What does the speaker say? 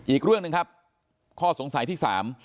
อีกเรื่องหนึ่งครับข้อสงสัยที่สาม